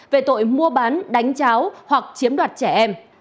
về tội mua bán đánh cháo hoặc chiếm đoạt trẻ em